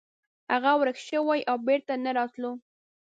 هغه ورک شوی و او بیرته نه راتلو.